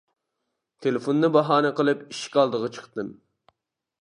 تېلېفوننى باھانە قىلىپ ئىشىك ئالدىغا چىقتىم.